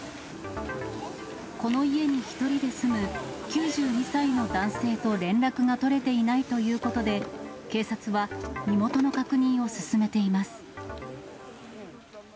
この家に１人で住む９２歳の男性と連絡が取れていないということで、警察は身元の確認を進めています。